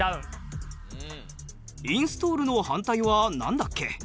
インストールの反対はなんだっけ？